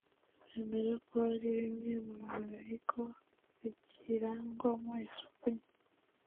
bemera ko hari bimwe mu bigo bikirangwamo isuku nke